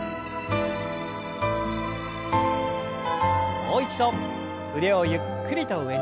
もう一度腕をゆっくりと上に。